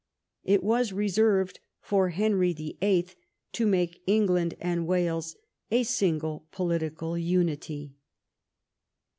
It was reserved for Henry YIII. to make England and Wales a single political unity.